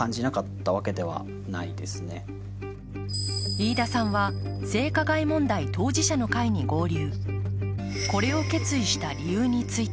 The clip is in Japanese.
飯田さんは性加害問題当事者の会に合流。